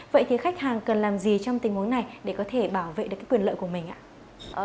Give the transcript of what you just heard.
vậy thì khách hàng cần làm gì trong tình huống này để có thể bảo vệ được cái quyền lợi của mình ạ